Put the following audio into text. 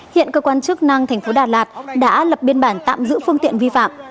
hiện cơ quan chức năng tp đà lạt đã lập biên bản tạm giữ phương tiện vi phạm